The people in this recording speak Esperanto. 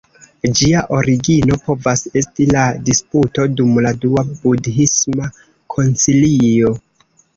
Ĝia origino povas esti la disputo dum la Dua Budhisma Koncilio.